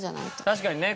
確かにね。